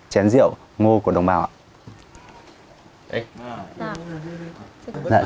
chúng ta sẽ cùng nâng chén rượu ngô của đồng bào dân tộc mông